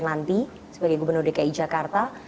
nanti sebagai gubernur dki jakarta